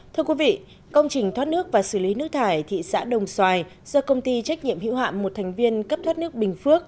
thưa quý vị công trình thoát nước và xử lý nước thải thị xã đồng xoài do công ty trách nhiệm hữu hạm một thành viên cấp thoát nước bình phước